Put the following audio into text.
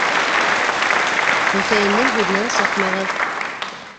Хөсәйендең һүҙенән сыҡмағыҙ.